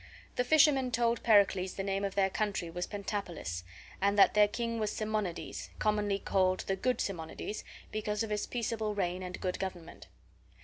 The fishermen told Pericles the name of their country was Pentapolis, and that their king was Simonides, commonly called the good Simonides, because of his peaceable reign and good government.